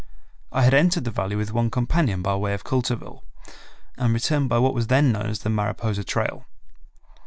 I had entered the Valley with one companion by way of Coulterville, and returned by what was then known as the Mariposa trail.